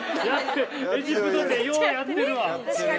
◆エジプト展、ようやってるわ。